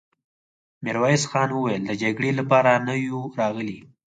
ميرويس خان وويل: د جګړې له پاره نه يو راغلي!